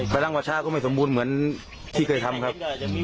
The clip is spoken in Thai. พลังประชาก็ไม่สมบูรณ์เหมือนที่เคยทำครับ